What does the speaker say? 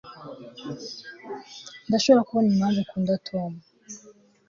ndashobora kubona impamvu ukunda tom